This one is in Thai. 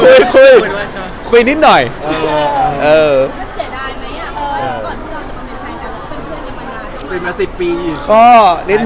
มันเสียดายมั้ยอ่ะเพราะก่อนที่เราจะมาในไทยกัน